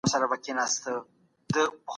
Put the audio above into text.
ولي بشري حقونه په نړیواله کچه ارزښت لري؟